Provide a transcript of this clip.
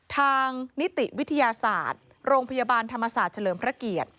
ทางนิติวิทยาศาสตร์โรงพยาบาลธรรมศาสตร์เฉลิมพระเกียรติ